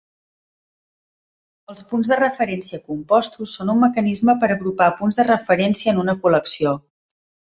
Els "punts de referència compostos" són un mecanisme per agrupar punts de referència en una col·lecció.